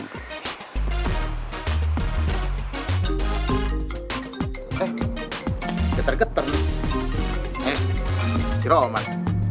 eh eh getar getar nih eh si roman